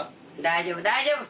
大丈夫大丈夫。